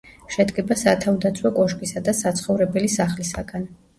შედგება სათავდაცვო კოშკისა და საცხოვრებელი სახლისაგან.